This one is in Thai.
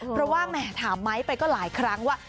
เพราะว่าแหมถามไม้ไปก็หลายครั้งว่า